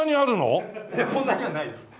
いやこんなにはないです！